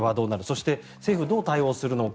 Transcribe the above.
そして、政府はどう対応するのか。